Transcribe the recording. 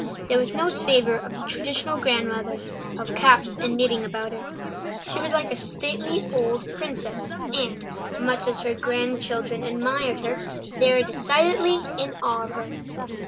There was no savour of the traditional grandmother of caps and knitting about her. She was like a stately old princess and, much as her grandchildren admired her, they were decidedly in awe of her.